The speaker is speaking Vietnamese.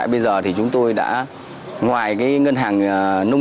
ngân hàng chính sách chúng tôi đã chỉ đạo các ngành đoàn thẻ tín chấp cho một mươi ba đối tượng